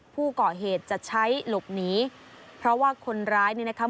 ผู้ก่อเหตุจะใช้หลบหนีเพราะว่าคนร้ายนี่นะคะ